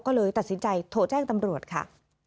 ก็เลยตัดสินใจโทรแจ้งตำรวจค่ะ